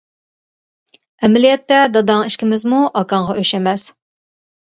ئەمەلىيەتتە داداڭ ئىككىمىزمۇ ئاكاڭغا ئۆچ ئەمەس.